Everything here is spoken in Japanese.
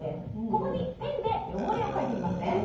ここにペンで汚れを書いてみますね